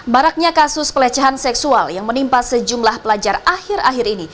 maraknya kasus pelecehan seksual yang menimpa sejumlah pelajar akhir akhir ini